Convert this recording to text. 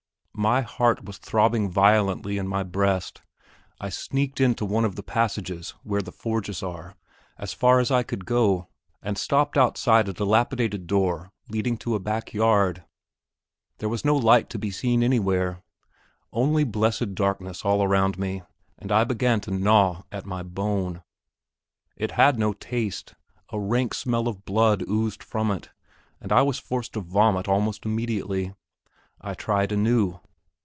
My heart was throbbing violently in my breast. I sneaked into one of the passages, where the forges are, as far in as I could go, and stopped outside a dilapidated door leading to a back yard. There was no light to be seen anywhere, only blessed darkness all around me; and I began to gnaw at the bone. It had no taste; a rank smell of blood oozed from it, and I was forced to vomit almost immediately. I tried anew.